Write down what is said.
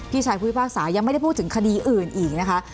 พี่ชายผู้พิพากษายังไม่ได้พูดถึงคดีอื่นอีกนะคะ